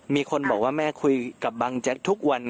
มีคนบอกว่าแม่คุยกับบังแจ๊กทุกวัน